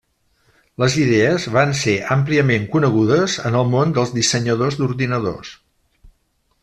Les idees van ser àmpliament conegudes en el món dels dissenyadors d'ordinadors.